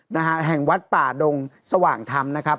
นะฮะแห่งวัดป่าดงสว่างธรรมนะครับ